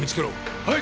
はい！